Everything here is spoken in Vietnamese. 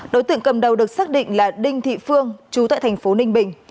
đối tượng cầm đầu được xác định là đinh thị phương chú tại thành phố ninh bình